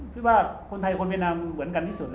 คิดว่าคนไทยกับเวียดนามเหมือนกันที่สุด